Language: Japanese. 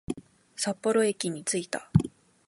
札幌駅に着いた